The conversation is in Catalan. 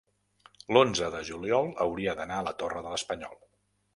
l'onze de juliol hauria d'anar a la Torre de l'Espanyol.